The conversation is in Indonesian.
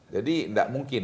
jadi enggak mungkin